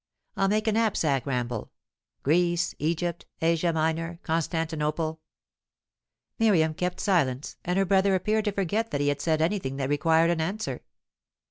I'll make a knapsack ramble: Greece, Egypt, Asia Minor, Constantinople." Miriam kept silence, and her brother appeared to forget that he had said anything that required an answer.